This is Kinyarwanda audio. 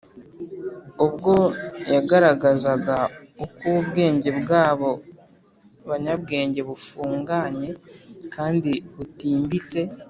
. Ubwo yagaragazaga uko ubwenge bwabo banyabwenge bufunganye kandi butimbitse,